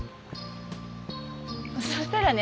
そしたらね